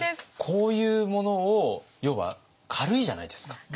こういうものを要は軽いじゃないですか。